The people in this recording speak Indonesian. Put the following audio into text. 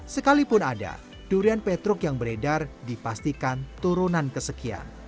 sekalipun ada durian petruk yang beredar dipastikan turunan kesekian